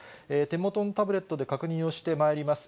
手元のタブレットで確認をしてまいります。